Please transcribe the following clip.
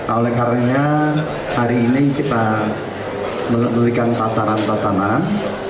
oleh karena hari ini kita menemukan tatanan tatanan